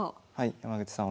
山口さん